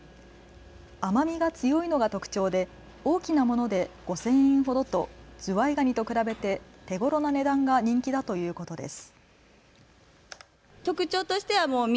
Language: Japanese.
甘みが強いのが特徴で大きなもので５０００円ほどとズワイガニと比べて手ごろな値段が人気だということです。